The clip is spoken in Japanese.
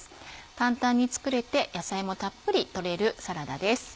簡単に作れて野菜もたっぷり取れるサラダです。